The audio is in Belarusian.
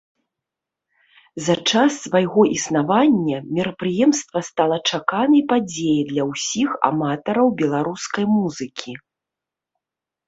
За час свайго існавання мерапрыемства стала чаканай падзеяй для ўсіх аматараў беларускай музыкі.